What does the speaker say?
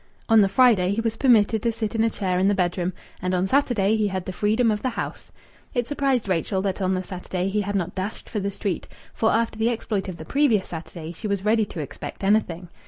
On the Friday he was permitted to sit in a chair in the bedroom, and on Saturday he had the freedom of the house. It surprised Rachel that on the Saturday he had not dashed for the street, for after the exploit of the previous Saturday she was ready to expect anything.